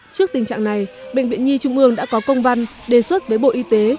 trước tình trạng này bệnh viện nhi trung ương đã có công văn đề xuất với bộ y tế